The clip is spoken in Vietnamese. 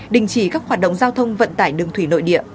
đình chỉ các hoạt động giao thông vận tải đường thủy nội địa